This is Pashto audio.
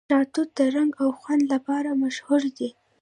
شاه توت د رنګ او خوند لپاره مشهور دی.